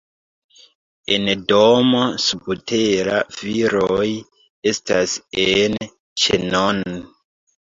En domo subtera, viroj estas en ĉenon.